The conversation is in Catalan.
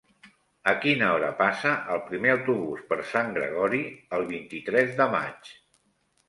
A quina hora passa el primer autobús per Sant Gregori el vint-i-tres de maig?